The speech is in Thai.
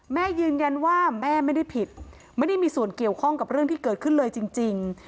แม่ยืนยันว่าแม่ไม่ได้ผิดไม่ได้มีส่วนเกี่ยวข้องกับเรื่องที่เกิดขึ้นเลยจริง